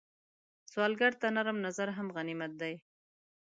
سوالګر ته نرم نظر هم غنیمت دی